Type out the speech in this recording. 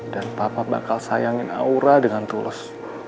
dan papa bakal sayangin aura dengan tulus